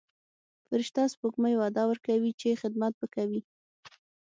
فرشته سپوږمۍ وعده ورکوي چې خدمت به کوي.